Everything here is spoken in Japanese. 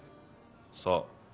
さあ。